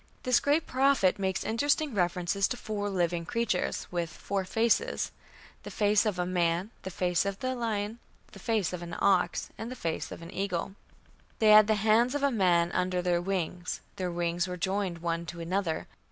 This great prophet makes interesting references to "four living creatures", with "four faces " the face of a man, the face of a lion, the face of an ox, and the face of an eagle; "they had the hands of a man under their wings, ... their wings were joined one to another